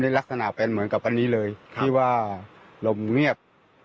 ลักษณะเป็นเหมือนกับวันนี้เลยที่ว่าลมเงียบ